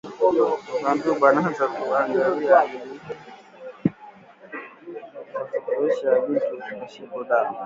Bantu bananza ku angariya namuna ya kuotesha bintu pashipo dawa